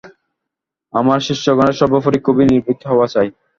আমার শিষ্যগণের সর্বোপরি খুব নির্ভীক হওয়া চাই।